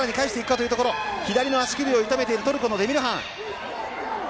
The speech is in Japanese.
左の足首を痛めているトルコのデミルハン。